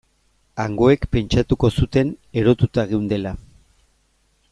Hangoek pentsatuko zuten erotuta geundela.